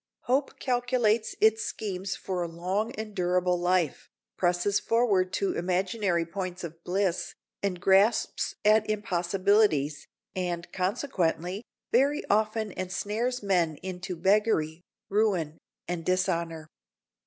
Hope calculates its schemes for a long and durable life, presses forward to imaginary points of bliss, and grasps at impossibilities, and, consequently, very often ensnares men into beggary, ruin, and dishonor.